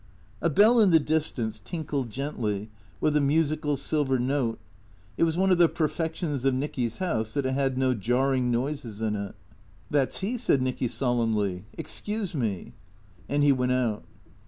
A bell in the distance tinkled gently, with a musical silver note. It was one of the perfections of Nicky's house that it had no jarring noises in it. " That 's he," said Nicky solemnly. " Excuse me." And he went out.